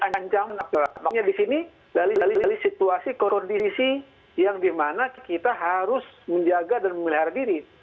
makanya di sini dari situasi koordinasi yang dimana kita harus menjaga dan memelihara diri